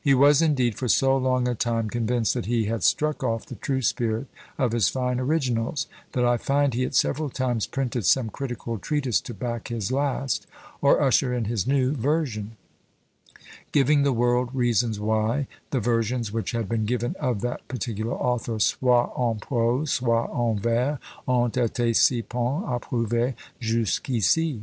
He was indeed for so long a time convinced that he had struck off the true spirit of his fine originals, that I find he at several times printed some critical treatise to back his last, or usher in his new version; giving the world reasons why the versions which had been given of that particular author, "soit en prose, soit en vers, ont été si pen approuvées jusqu'ici."